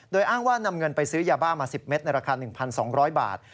โดยอ้างว่านำเงินไปซื้อยาบ้ามา๑๐เมตรในราคา๑๒๐๐บาท